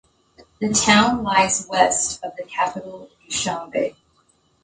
The town lies west of the capital Dushanbe.